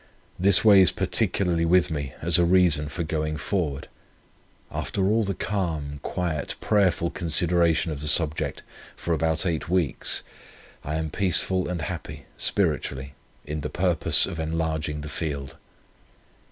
This weighs particularly with me as a reason for going forward. After all the calm, quiet, prayerful consideration of the subject for about eight weeks, I am peaceful and happy, spiritually, in the purpose of enlarging the field.